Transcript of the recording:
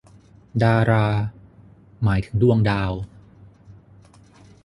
ดารา หมายถึงดวงดาว